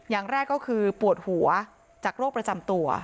อย่างแรกก็คือปวดหัวจากโรคประจำตัว